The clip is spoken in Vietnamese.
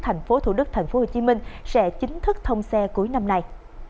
thành phố thủ đức tp hcm sẽ chính thức thông xe cuối năm nay